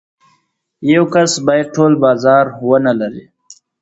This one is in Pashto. یو کس باید ټول بازار ونلري.